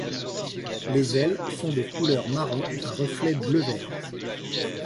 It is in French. Les ailes sont de couleur marron à reflets bleu vert.